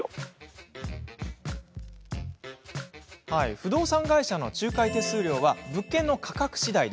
不動産会社の仲介手数料は物件の価格しだい。